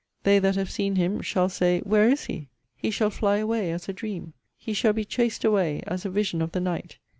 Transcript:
They that have seen him shall say, Where is he? He shall fly away as a dream: He shall be chased away as a vision of the night.